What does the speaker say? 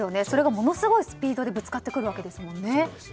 それがものすごいスピードでぶつかってくるわけですもんね。